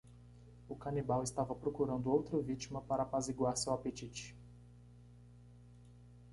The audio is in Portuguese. O canibal estava procurando outra vítima para apaziguar seu apetite.